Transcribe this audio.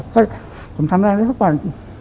ก็ผมทำงานนั้นสักวัน